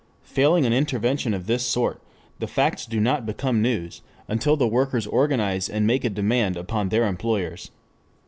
Failing an intervention of this sort, the facts do not become news, until the workers organize and make a demand upon their employers.